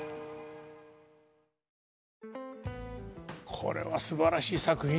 これはすばらしい作品ですね。